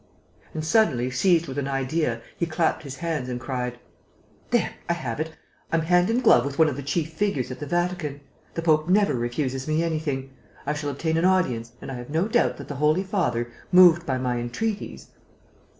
And, suddenly, seized with an idea, he clapped his hands and cried: "There, I have it! I'm hand in glove with one of the chief figures at the Vatican. The Pope never refuses me anything. I shall obtain an audience and I have no doubt that the Holy Father, moved by my entreaties...."